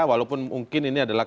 walaupun mungkin ini adalah